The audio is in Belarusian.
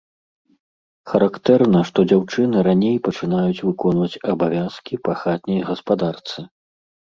Характэрна, што дзяўчыны раней пачынаюць выконваць абавязкі па хатняй гаспадарцы.